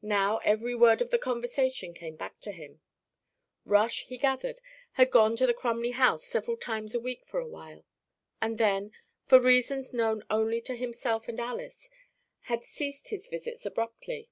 Now every word of the conversation came back to him. Rush, he gathered, had gone to the Crumley house several times a week for a while, and then, for reasons known only to himself and Alys, had ceased his visits abruptly.